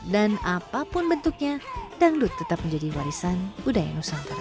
dan apapun bentuknya dangdut tetap menjadi warisan budaya nusantara